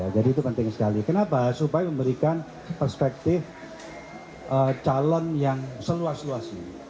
jadi itu penting sekali kenapa supaya memberikan perspektif calon yang seluas luas